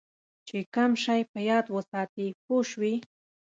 چې کم شی په یاد وساتې پوه شوې!.